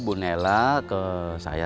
bu nela ke saya